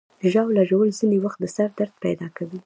ژاوله ژوول ځینې وخت د سر درد پیدا کوي.